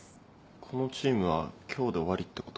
このチームは今日で終わりってこと？